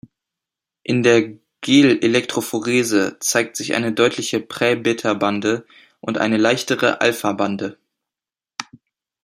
In der Gelelektrophorese zeigt sich eine deutliche prä-beta-Bande und eine leichtere alpha-Bande.